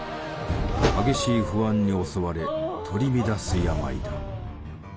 激しい不安に襲われ取り乱す病だ。